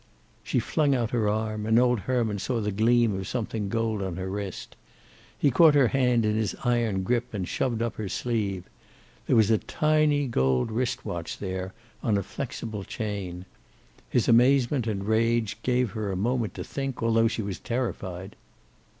She flung out her arm, and old Herman saw the gleam of something gold on her wrist. He caught her hand in his iron grip and shoved up her sleeve. There was a tiny gold wrist watch there, on a flexible chain. His amazement and rage gave her a moment to think, although she was terrified.